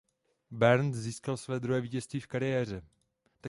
Burns získal své druhé vítězství v kariéře.